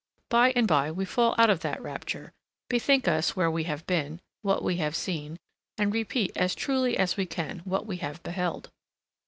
By and by we fall out of that rapture, bethink us where we have been, what we have seen, and repeat as truly as we can what we have beheld.